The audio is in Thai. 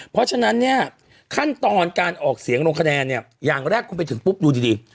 เพราะฉะนั้นเนี่ยขั้นตอนการออกเสียงลงคะแนนเนี่ยอย่างแรกคุณไปถึงปุ๊บดูดี